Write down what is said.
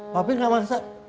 papi gak paksa